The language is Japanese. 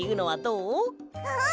うん！